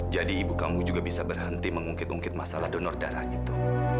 jadi ibu kamu juga bisa berhenti mengungkit ungkit masalah donor darah itu